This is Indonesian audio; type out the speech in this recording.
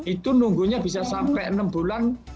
itu nunggunya bisa sampai enam bulan